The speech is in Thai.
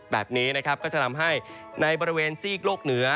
แบบนี้นะครับก็จะทำให้ในบริเวณซีกโลกเหนือ